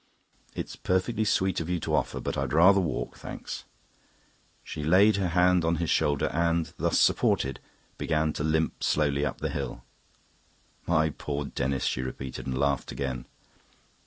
"It's perfectly sweet of you to offer, but I'd rather walk, thanks." She laid her hand on his shoulder and, thus supported, began to limp slowly up the hill. "My poor Denis!" she repeated, and laughed again.